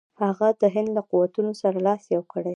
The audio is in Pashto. هغه د هند له قوتونو سره لاس یو کړي.